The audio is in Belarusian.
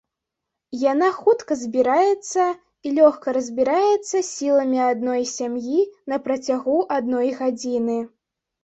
Яна хутка збіраецца і лёгка разбіраецца сіламі адной сям'і на працягу адной гадзіны.